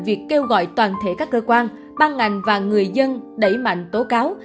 việc kêu gọi toàn thể các cơ quan ban ngành và người dân đẩy mạnh tố cáo